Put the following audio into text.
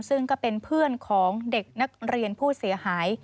ซึ่งก็เป็นเพื่อนของเด็กนักเรียนผู้เสียหาย